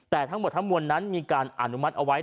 แต่ทั้งหมดทั้งมวลนั้นมีการอนุมัติเอาไว้